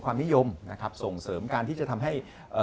อันนี้ไอ้